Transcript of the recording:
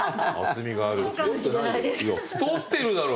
いや太ってるだろ。